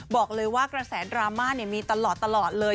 บอกเลยว่ากระแสดราม่ามีตลอดเลย